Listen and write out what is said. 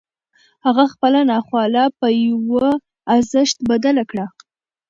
هغه خپله ناخواله پر يوه ارزښت بدله کړه.